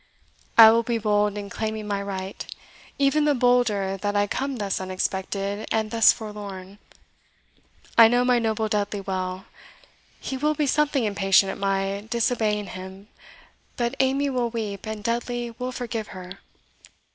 I will be bold in claiming my right; even the bolder, that I come thus unexpected, and thus forlorn. I know my noble Dudley well! He will be something impatient at my disobeying him, but Amy will weep, and Dudley will forgive her."